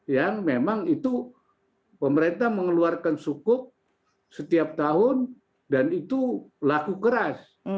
yang memang itu pemerintah mengeluarkan sukuk setiap tahun dan itu laku keras